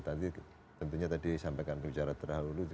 tentunya tadi sampaikan di bicara terakhir dulu